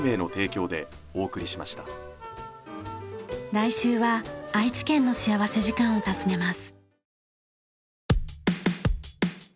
来週は愛知県の幸福時間を訪ねます。